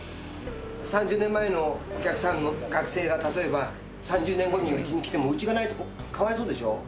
３０年前のお客さん、学生が例えば、３０年後にうちに来ても、うちがないと、かわいそうでしょ？